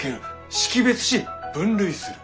識別し分類する。